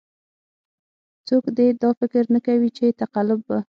څوک دې دا فکر نه کوي چې تقلب به.